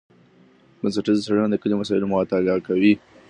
بنسټیزه څېړنه د کلي مسایلو مطالعه کوي.